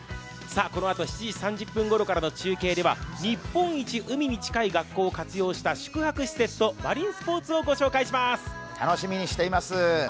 このあと、７時３０分ごろからの中継では、日本一海に近い学校を活用した宿泊施設とマリンスポーツをご紹介します。